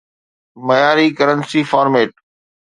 معياري currency format